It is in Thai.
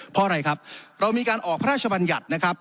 เพราะอะไรครับเรามีการออกพระราชบัญญัตินะครับ